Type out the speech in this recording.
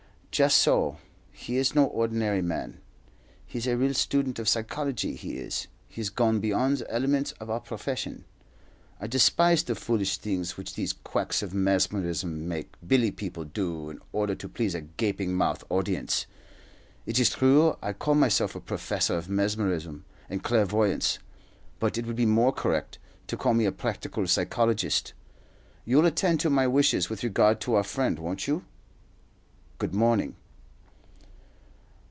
"Just so; he is no ordinary man. He's a real student of psychology, he is. He has gone beyond the elements of our profession. I despise the foolish things which these quacks of mesmerism make Billy people do in order to please a gaping mouthed audience. It is true I call myself a professor of mesmerism and clairvoyance, but it would be more correct to call me a practical psychologist. You'll attend to my wishes with regard to our friend, won't you? Good morning."